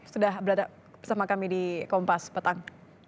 sudah berada bersama kami di kompas petang